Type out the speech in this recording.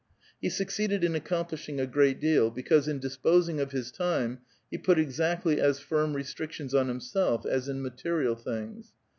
He succeeded in accomplishing a great deal, because in flisposing of his time he put exactly as firm restrictions on liimself as in material things.